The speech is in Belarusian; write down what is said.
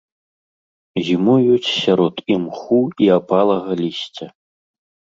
Зімуюць сярод імху і апалага лісця.